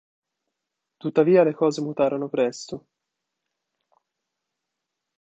Tuttavia le cose mutarono presto.